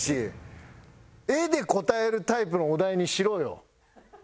絵で答えるタイプのお題にしろよ。